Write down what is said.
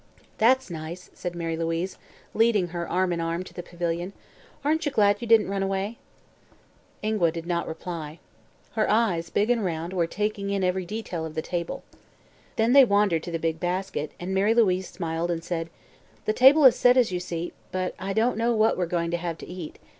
"That's nice," said Mary Louise, leading her, arm in arm, to the pavilion. "Aren't you glad you didn't run away?" Ingua did not reply. Her eyes, big and round, were taking in every detail of the table. Then they wandered to the big basket and Mary Louise smiled and said: "The table is set, as you see, but I don't know what we're to have to eat.